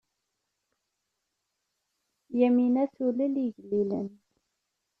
Yamina tulel igellilen.